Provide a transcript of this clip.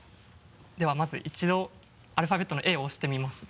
ではまず一度アルファベットの「Ａ」を押してみますね。